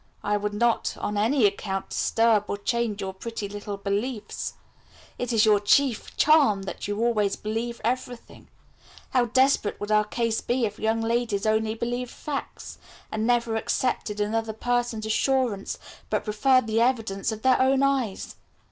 I would not on any account disturb or change your pretty little beliefs. It is your chief charm that you always believe every thing. How desperate would our case be if young ladies only believed facts, and never accepted another person's assurance, but preferred the evidence of their own eyes!